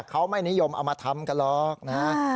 เขาไม่นิยมเอามาทำกันหรอกนะฮะ